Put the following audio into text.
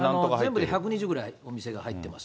全部で１２０ぐらいお店が入っています。